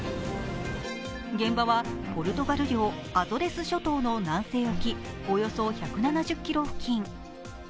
現場は、ポルトガル領・アゾレス諸島の南西沖、およそ１７０ｋｍ付近。